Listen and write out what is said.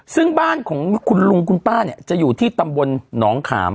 ซึ่งบ้านของคุณลุงคุณป้าเนี่ยจะอยู่ที่ตำบลหนองขาม